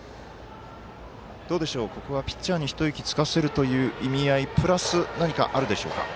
どうでしょう、ここはピッチャーに一息つかせるという意味合いプラス何かあるでしょうか？